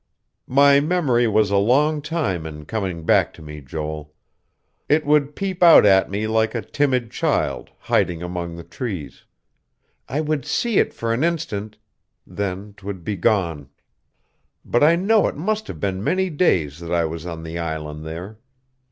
"My memory was a long time in coming back to me, Joel. It would peep out at me like a timid child, hiding among the trees. I would see it for an instant; then 'twould be gone. But I know it must have been many days that I was on the island there.